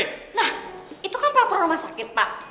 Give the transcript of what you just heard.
nah itu kan pelaporan rumah sakit pak